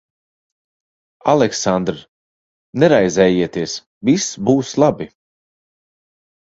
Aleksandr, neraizējieties. Viss būs labi.